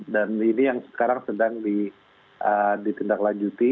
dan ini yang sekarang sedang ditindaklanjuti